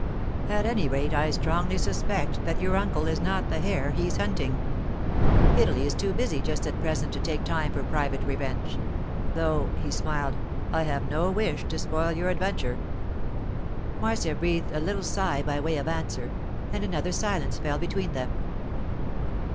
At any rate, I strongly suspect that your uncle it not the hare he's hunting. Italy is too busy just at present to take time for private revenge—though,' he smiled, 'I have no wish to spoil your adventure.' Marcia breathed a little sigh by way of answer, and another silence fell between them.